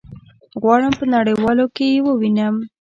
غواړم په نړيوالو کي يي ووينم